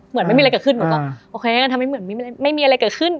เหมือนไม่มีอะไรเกิดขึ้นหนูก็โอเคงั้นทำให้เหมือนไม่มีอะไรเกิดขึ้น